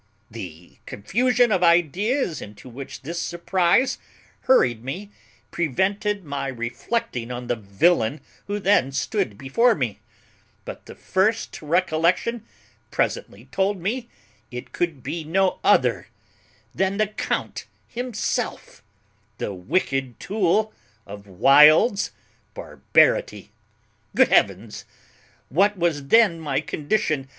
The confusion of ideas into which this surprize hurried me prevented my reflecting on the villain who then stood before me; but the first recollection presently told me it could be no other than the count himself, the wicked tool of Wild's barbarity. Good heavens! what was then my condition!